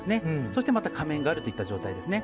そしてまた仮面がある状態です。